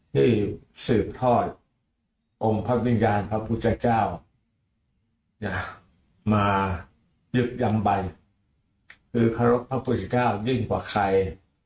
ที่สืบทอดองค์พระวิญญาณพระพุทธเจ้ามายึดยำใบคือเคารพพระพุทธเจ้ายิ่งกว่าใคร